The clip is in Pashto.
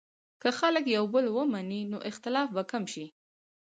که خلک یو بل ومني، نو اختلاف به کم شي.